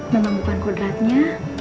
memang bukan kodratnya